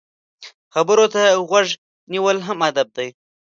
خبرو ته غوږ نیول هم ادب دی.